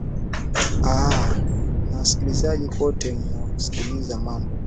aa na wasikilizaji kote mnakotusikiliza mambo